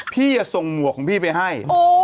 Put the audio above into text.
พี่จะส่งหมวกของพี่ไปให้